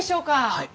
はい。